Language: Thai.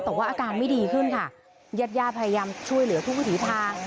แต่ว่าอาการไม่ดีขึ้นค่ะญาติญาติพยายามช่วยเหลือทุกวิถีทาง